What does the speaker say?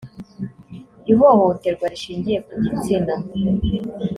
ihohoterwa rishingiye ku gitsina